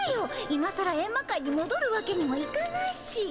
今さらエンマ界にもどるわけにもいかないし。